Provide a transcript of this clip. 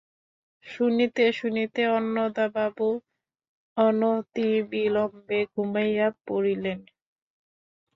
শুনিতে শুনিতে অন্নদাবাবু অনতিবিলম্বে ঘুমাইয়া পড়িলেন।